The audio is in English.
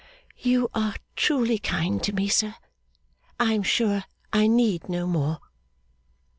'You are truly kind to me, sir. I am sure I need no more.